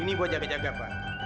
ini buat jaga jaga pak